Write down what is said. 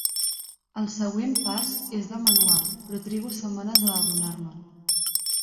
El següent pas és de manual, però trigo setmanes a adonar-me'n.